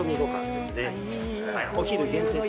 お昼限定と。